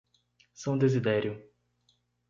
São Desidério